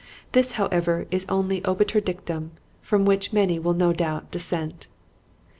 This, however, is only an obiter dictum from which many will no doubt dissent.